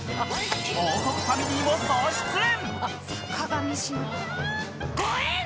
王国ファミリーも総出演！